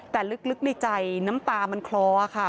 แต่ลึกในใจน้ำตามันคลอค่ะ